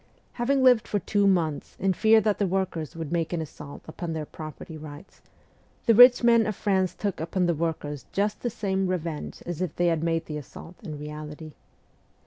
Having lived for two months in fear that the workers would make an assault upon their property rights, the rich men of France took upon the workers just the same revenge as if they had made the assault in reality.